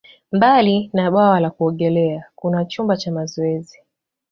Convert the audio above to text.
Mbali na bwawa la kuogelea, kuna chumba cha mazoezi.